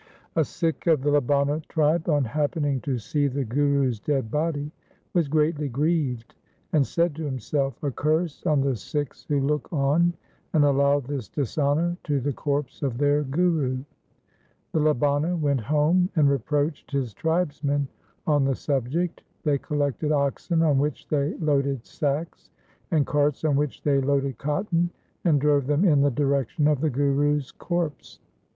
A Sikh of the Labana tribe, on happening to see the Guru's dead body was greatly grieved, and said to himself :' A curse on the Sikhs who look on and allow this dishonour to the corpse of their Guru !' The Labana went home, and reproached his tribesmen on the subject. They collected oxen on which they loaded sacks, and carts on which they loaded cotton, and drove them in the direction of the Guru's corpse.